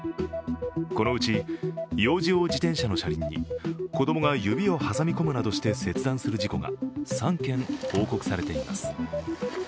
このうち、幼児用自転車の車輪に子供が指を挟み込むなどして切断する事故が３件報告されています。